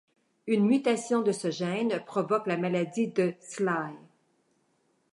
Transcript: Une mutation de ce gène provoque la maladie de Sly.